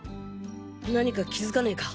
何か気づかねか？